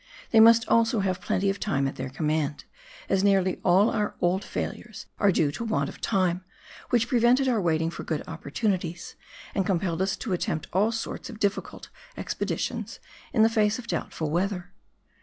They must also have plenty of time at their command, as nearly all our old failures are due to want of time, which prevented our waiting for good opportunities, and compelled us to attempt all sorts of difiicult expeditions in the face of doubtful weather.